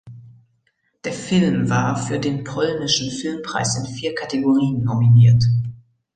Der Film war für den Polnischen Filmpreis in vier Kategorien nominiert.